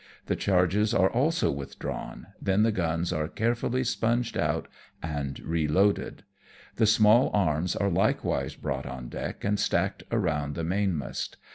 The charges are also withdrawn, then the guns are carefully sponged out and reloaded. The small arms are likewise brought on deck, and stacked around the mainmast.